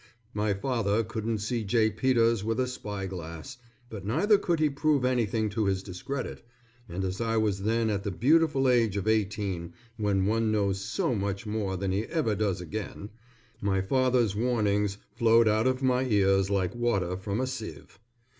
My father couldn't see J. Peters with a spy glass, but neither could he prove anything to his discredit, and as I was then at the beautiful age of eighteen when one knows so much more than he ever does again, my father's warnings flowed out of my ears like water from a sieve.